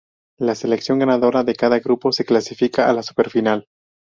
La selección ganadora de cada grupo se clasifica a la Super Final.